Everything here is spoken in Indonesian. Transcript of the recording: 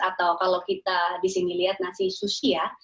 atau kalau kita disini lihat nasi sushi ya